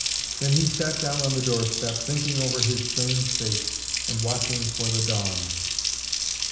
Then he sat down on the doorstep, thinking over his strange fate and watching for the dawn.